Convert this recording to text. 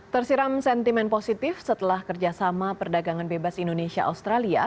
tersiram sentimen positif setelah kerjasama perdagangan bebas indonesia australia